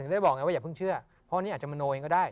ว่าอย่าเพิ่งเชื่อเพราะอันนี้อาจมนโนเองก็ได้